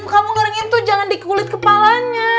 kamu gorengin tuh jangan di kulit kepalanya